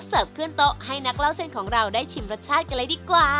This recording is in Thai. เสิร์ฟขึ้นโต๊ะให้นักเล่าเส้นของเราได้ชิมรสชาติกันเลยดีกว่า